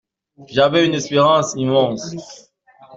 J'avais une espérance immense.